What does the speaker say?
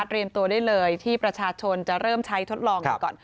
เตรียมตัวได้เลยที่ประชาชนจะเริ่มใช้ทดลองก่อน